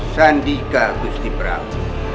sandika gusti brahm